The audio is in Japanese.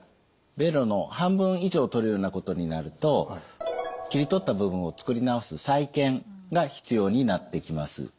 ベロの半分以上を取るようなことになると切り取った部分を作り直す再建が必要になってきます。